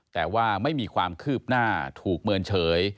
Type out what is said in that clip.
แต่ว่าไม่มีความคืบหน้าถูกเมินเฉย